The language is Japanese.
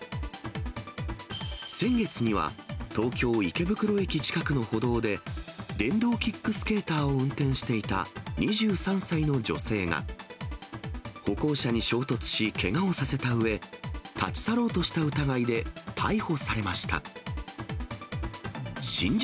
先月には東京・池袋駅近くの歩道で、電動キックスケーターを運転していた２３歳の女性が、歩行者に衝突し、けがをさせたうえ、立ち去ろうとした疑いで逮捕されました。